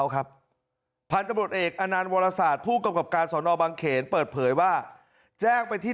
การสอนอบังเขนเปิดเผยว่าแจ้งไปที่